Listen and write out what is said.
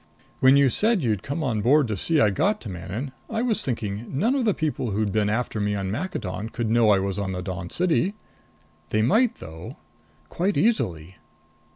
"When you said you'd come on board to see I got to Manon, I was thinking none of the people who'd been after me on Maccadon could know I was on the Dawn City. They might though. Quite easily."